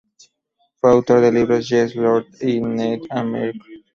Fue autor de los libros "Yes, Lord" y "Need A Miracle?